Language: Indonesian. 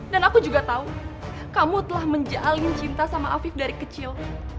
dan aku juga tau kamu telah menjalin cinta sama afif dari kecil